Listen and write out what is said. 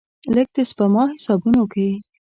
لږ، د سپما حسابونو کې